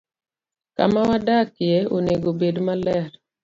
Kama wadakie onego obed maler.